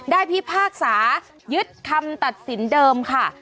พิพากษายึดคำตัดสินเดิมค่ะ